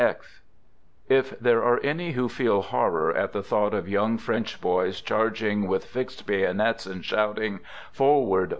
Digitized by YVONNE X If there are any who feel horror at the thought of young French boys charging with fixed bayonets, and shouting: "Forward!